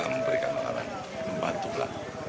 memberikan makanan membantulah